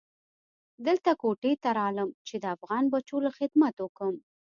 دلته کوټې ته رالم چې د افغان بچو له خدمت اوکم.